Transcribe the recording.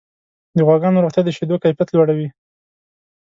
د غواګانو روغتیا د شیدو کیفیت لوړوي.